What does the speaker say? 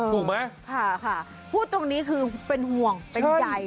ถูกไหมค่ะค่ะพูดตรงนี้คือเป็นห่วงเป็นใหญ่